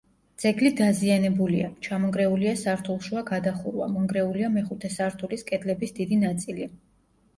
ძეგლი დაზიანებულია: ჩამონგრეულია სართულშუა გადახურვა, მონგრეულია მეხუთე სართულის კედლების დიდი ნაწილი.